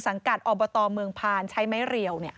กับอบตเมืองพานใช้ไม้เรียว